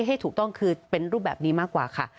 ให้ถูกต้องคือเป็นรูปแบบนี้มากกว่าค่ะ